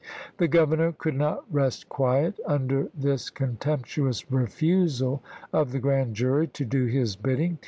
The Governor could not rest quiet under this contemptuous refusal of the grand jury 1864. ' to do his bidding.